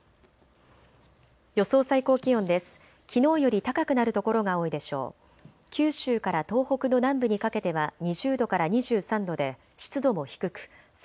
予想最高気温です。